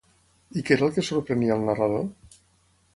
I què era el que sorprenia el narrador?